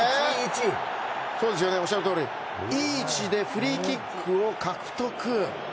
いい位置でフリーキックを獲得。